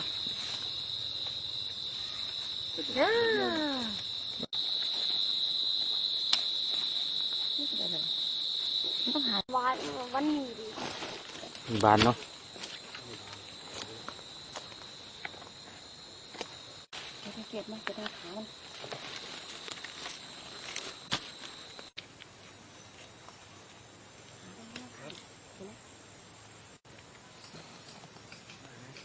มันต้องหาวันวันวันเนอะ